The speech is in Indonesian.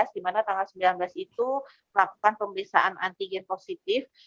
di mana tanggal sembilan belas itu melakukan pemeriksaan antigen positif